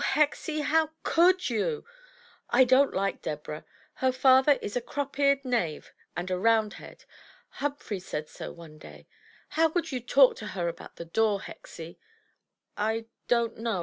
Hexie, how could you? I don't like Deborah, her father is a crop eared knave and a Roundhead. Humphrey said so one day. How could you talk to her about the door, Hexie?" I — don't know.